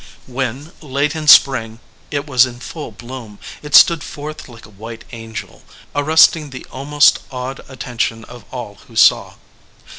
When, late in spring, it was in full bloom, it stood forth like a white angel, arresting the almost awed attention of all who saw.